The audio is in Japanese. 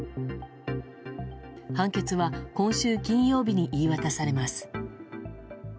判決は今週金曜日に言い渡されます。